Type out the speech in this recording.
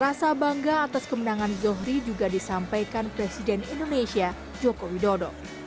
rasa bangga atas kemenangan zohri juga disampaikan presiden indonesia joko widodo